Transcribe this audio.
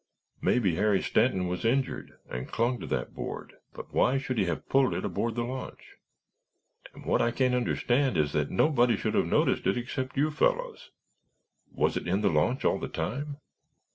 "Maybe Harry Stanton was injured and clung to that board. But why should he have pulled it aboard the launch? And what I can't understand is that nobody should have noticed it except you fellows. Was it in the launch all the time?"